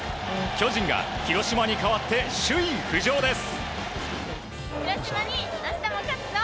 巨人が広島に代わって首位浮上です。